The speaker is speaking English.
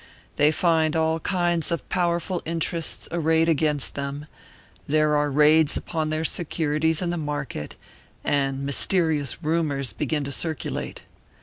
They find all kinds of powerful interests arrayed against them; there are raids upon their securities in the market, and mysterious rumours begin to circulate.